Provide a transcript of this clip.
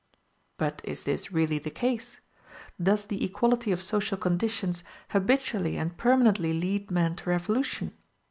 But is this really the case? does the equality of social conditions habitually and permanently lead men to revolution?